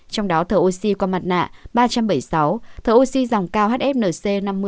trong đó thở oxy qua mặt nạ ba trăm bảy mươi sáu thợ oxy dòng cao hfnc năm mươi